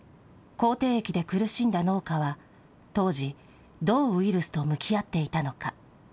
口蹄疫で苦しんだ農家は、当時、どうウイルスと向き合っていたのか。